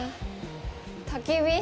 たき火？